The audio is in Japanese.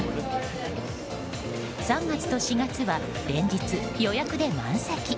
３月と４月は連日、予約で満席。